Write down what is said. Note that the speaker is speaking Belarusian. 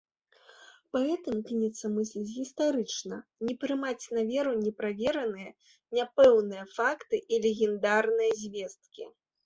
Паэт імкнецца мысліць гістарычна, не прымаць на веру неправераныя, няпэўныя факты і легендарныя звесткі.